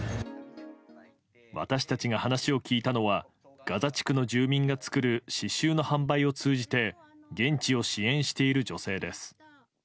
私たちが話を聞いたのはガザ地区の住民が作る刺しゅうの販売を通じて現地を支援している女性です。